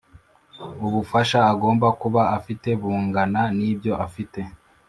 ubufasha agomba kuba afite bugana nibyo afite